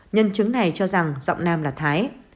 nhân chứng này cho rằng giọng nam là thái